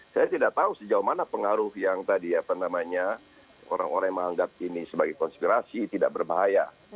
saya tidak tahu sejauh mana pengaruh yang tadi apa namanya orang orang yang menganggap ini sebagai konspirasi tidak berbahaya